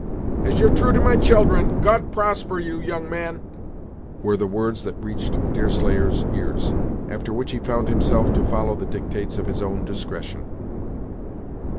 "As you're true to my children, God prosper you, young man!" were the words that reached Deerslayer's ears; after which he found himself left to follow the dictates of his own discretion.